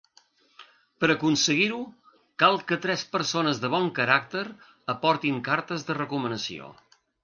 Per aconseguir-ho, cal que tres persones de bon caràcter aportin cartes de recomanació.